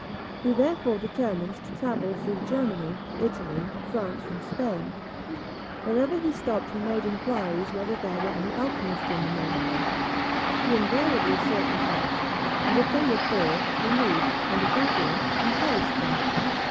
He therefore determined to travel through Germany, Italy, France, and Spain. Wherever he stopped he made inquiries whether there were any alchymists in the neighbourhood. He invariably sought them out; and if they were poor, relieved, and if affluent, encouraged them.